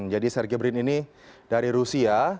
jadi sergey brin ini dari rusia